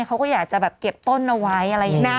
เขาก็อยากจะแบบเก็บต้นเอาไว้อะไรอย่างนี้